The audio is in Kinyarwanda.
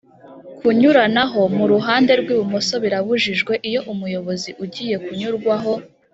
Kunyuranaho mu ruhande rw ibumoso birabujijwe iyo umuyobozi ugiye kunyurwaho